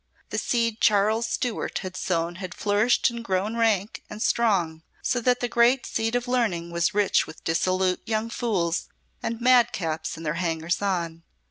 The seed Charles Stuart had sown had flourished and grown rank and strong, so that the great seat of learning was rich with dissolute young fools and madcaps and their hangers on.